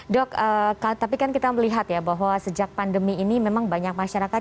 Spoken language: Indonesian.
dok tapi kan kita melihat ya bahwa sejak pandemi ini memang banyak masyarakat